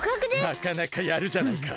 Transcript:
なかなかやるじゃないか。